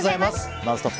「ノンストップ！」